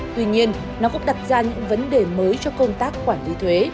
tuy nhiên nó cũng đặt ra những vấn đề mới cho công tác quản lý thuế